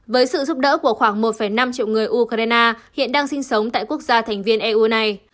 với sự giúp đỡ của khoảng một năm triệu người ukraine hiện đang sinh sống tại quốc gia thành viên eu này